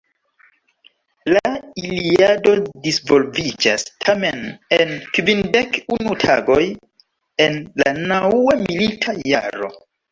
La Iliado disvolviĝas tamen en kvindek unu tagoj en la naŭa milita jaro.